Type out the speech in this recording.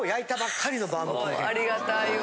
ありがたいわ。